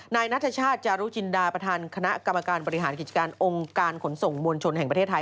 นายนัทชาติจารุจินดาประธานคณะกรรมการบริหารกิจการองค์การขนส่งมวลชนแห่งประเทศไทย